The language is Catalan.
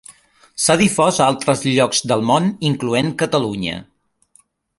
S'ha difós a altres llocs del món incloent Catalunya.